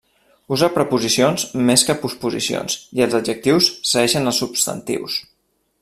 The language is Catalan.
Usa preposicions més que posposicions, i els adjectius segueixen els substantius.